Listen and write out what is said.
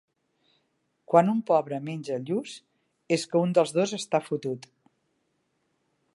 Quan un pobre menja lluç, és que un dels dos està fotut.